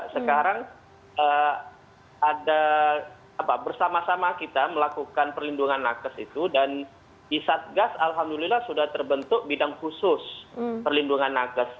sekarang bersama sama kita melakukan perlindungan nakes itu dan di satgas alhamdulillah sudah terbentuk bidang khusus perlindungan nakes